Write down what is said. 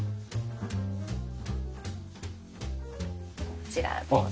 こちらどうぞ。